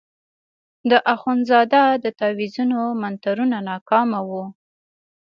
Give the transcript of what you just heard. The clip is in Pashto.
د اخندزاده د تاویزونو منترونه ناکامه وو.